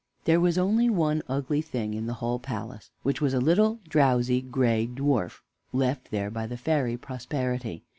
There was only one ugly thing in the whole palace, which was a little, drowsy, gray dwarf, left there by the fairy Prosperity.